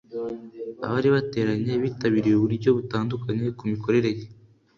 abari bateranye bitabiriye uburyo butandukanye kumikorere ye